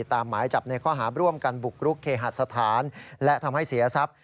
หมายจับในข้อหาร่วมกันบุกรุกเคหสถานและทำให้เสียทรัพย์